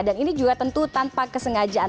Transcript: dan ini juga tentu tanpa kesengajaan